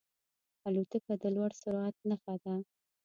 الوتکه د لوړ سرعت نښه ده.